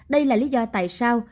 đây là lý do tại sao